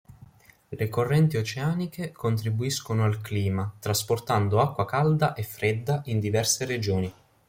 Le correnti oceaniche contribuiscono al clima, trasportando acqua calda e fredda in diverse regioni.